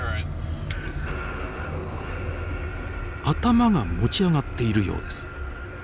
頭が持ち上がっているようです。